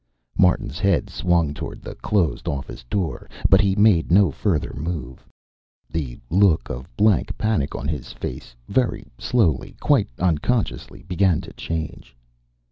Martin's head swung toward the closed office door. But he made no further move. The look of blank panic on his face very slowly, quite unconsciously, began to change.